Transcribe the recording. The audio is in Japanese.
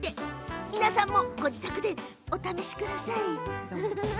皆さんも、ご自宅でお試しください。